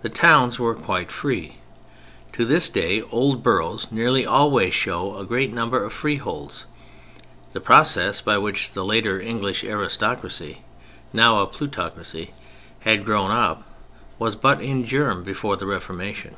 The towns were quite free. To this day old boroughs nearly always show a great number of freeholds. The process by which the later English aristocracy (now a plutocracy) had grown up, was but in germ before the Reformation.